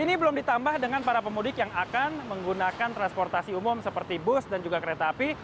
ini belum ditambah dengan para pemudik yang akan menggunakan transportasi umum seperti bus dan juga kereta api